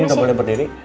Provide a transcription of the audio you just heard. ini udah boleh berdiri